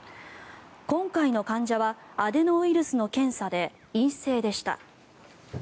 今回の患者はアデノウイルスの検査で陰性でした。